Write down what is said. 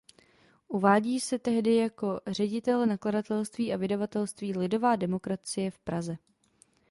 Uvádí se tehdy jako ředitel nakladatelství a vydavatelství "Lidová demokracie" v Praze.